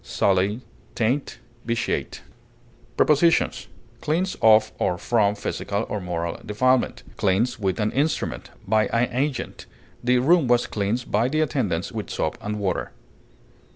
besmirch, corrupt, Prepositions: Cleanse of or from physical or moral defilement; cleanse with an instrument; by an agent; the room was cleansed by the attendants with soap and water.